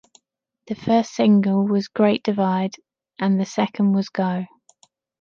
The first single was Great Divide and the second was Go.